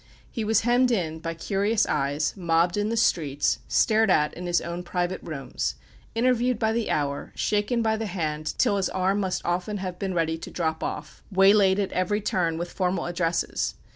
He was hemmed in by curious eyes, mobbed in the streets, stared at in his own private rooms, interviewed by the hour, shaken by the hand till his arm must often have been ready to drop off, waylaid at every turn with formal addresses.